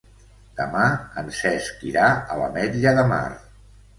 Demà en Cesc irà a l'Ametlla de Mar.